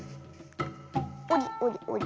おりおりおり。